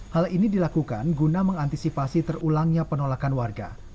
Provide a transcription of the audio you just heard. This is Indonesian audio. hal ini dilakukan guna mengantisipasi terulangnya penolakan warga